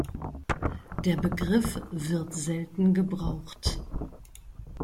Der Begriff wird selten gebraucht.